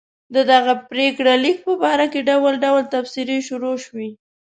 د دغه پرېکړه لیک په باره کې ډول ډول تبصرې شروع شوې.